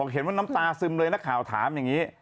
เห็นว่าน้ำตาซึมเลยนักข่าวถามอย่างนี้